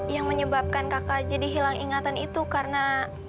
yang menyebabkan kakak jadi hilang ingatan itu karena